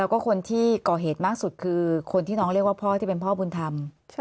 แล้วก็คนที่ก่อเหตุมากสุดคือคนที่น้องเรียกว่าพ่อที่เป็นพ่อบุญธรรม